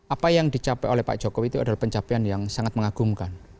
apa yang dicapai oleh pak jokowi itu adalah pencapaian yang sangat mengagumkan